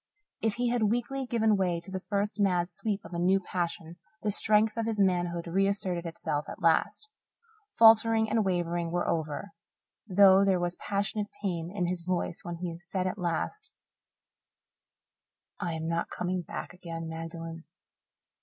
If he had weakly given way to the first mad sweep of a new passion, the strength of his manhood reasserted itself at last. Faltering and wavering were over, though there was passionate pain in his voice when he said at last, "I am not coming back again, Magdalen."